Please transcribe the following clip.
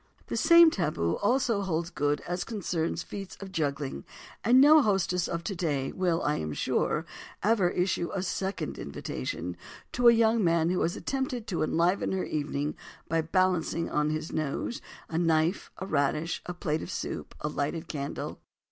The same "taboo" also holds good as concerns feats of juggling and no hostess of today will, I am sure, ever issue a second invitation to a young man who has attempted to enliven her evening by balancing, on his nose, a knife, a radish, a plate of soup and a lighted candle.